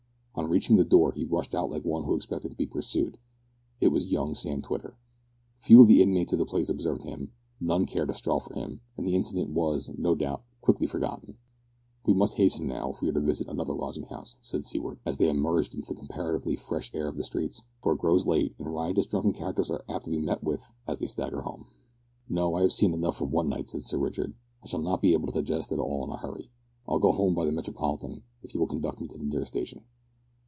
On reaching the door, he rushed out like one who expected to be pursued. It was young Sam Twitter. Few of the inmates of the place observed him, none cared a straw for him, and the incident was, no doubt, quickly forgotten. "We must hasten now, if we are to visit another lodging house," said Seaward, as they emerged into the comparatively fresh air of the street, "for it grows late, and riotous drunken characters are apt to be met with as they stagger home." "No; I have had enough for one night," said Sir Richard. "I shall not be able to digest it all in a hurry. I'll go home by the Metropolitan, if you will conduct me to the nearest station."